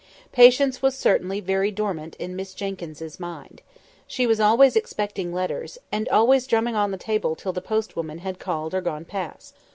Patience was certainly very dormant in Miss Jenkyns's mind. She was always expecting letters, and always drumming on the table till the post woman had called or gone past.